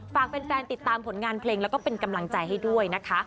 ฝากแฟนติดตามผลงานเพลงแล้วก็เป็นกำลังใจให้ด้วยนะคะ